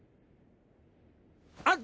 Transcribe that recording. あっ